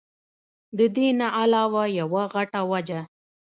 د دې نه علاوه يوه غټه وجه